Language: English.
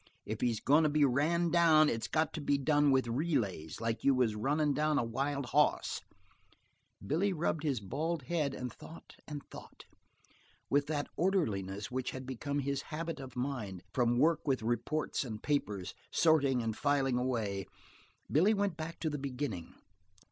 If he's goin' to be ran down it's got to be done with relays, like you was runnin' down a wild hoss." Billy rubbed his bald head and thought and thought. With that orderliness which had become his habit of mind, from work with reports and papers, sorting and filing away, Billy went back to the beginning.